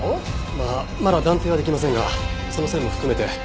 まあまだ断定はできませんがその線も含めて